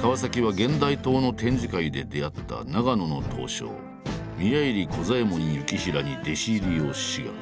川は現代刀の展示会で出会った長野の刀匠宮入小左衛門行平に弟子入りを志願。